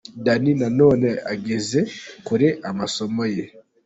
Danny Nanone ageze kure amasomo ye.